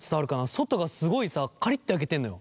外がすごいさカリッて焼けてんのよ。